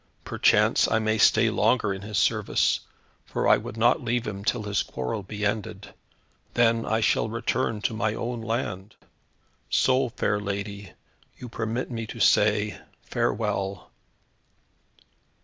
Perchance I may stay longer in his service, for I would not leave him till his quarrel be ended. Then I shall return to my own land; so, fair lady, you permit me to say farewell."